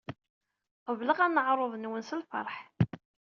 Qebleɣ aneɛṛuḍ-nwen s lfeṛḥ.